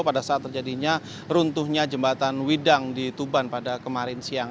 pada saat terjadinya runtuhnya jembatan widang di tuban pada kemarin siang